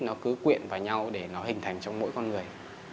nó cứ quyện vào nhau để nó hình thành trong mỗi con người